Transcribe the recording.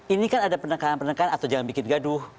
ini kan ada penekanan penekan atau jangan bikin gaduh